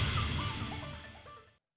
di jawa timur terima kasih